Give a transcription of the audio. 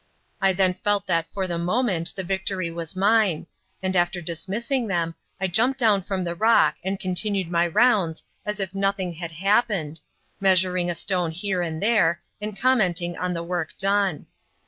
I then felt that for the moment the victory was mine, and after dismissing them, I jumped down from the rock and continued my rounds as if nothing had happened, measuring a stone here and there and commenting on the work done.